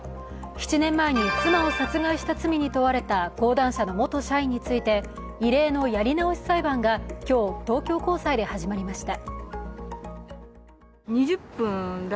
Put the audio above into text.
７年前に妻を殺害した罪に問われた講談社の元社員について異例のやり直し裁判が今日、東京高裁で始まりました。